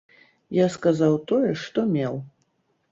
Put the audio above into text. Я сказаў тое, што меў.